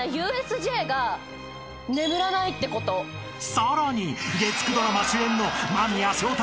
［さらに月９ドラマ主演の］